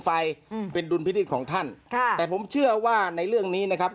อืมเป็นดุลพินิษฐ์ของท่านค่ะแต่ผมเชื่อว่าในเรื่องนี้นะครับ